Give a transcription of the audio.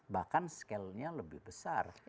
bahkan scalenya lebih besar